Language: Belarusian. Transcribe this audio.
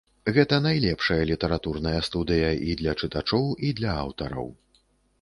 Гэта найлепшая літаратурная студыя і для чытачоў і для аўтараў.